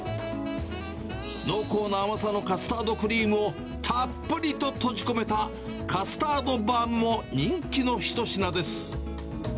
濃厚な甘さのカスタードクリームをたっぷりと閉じ込めた、カスタードバウムも人気の一品です。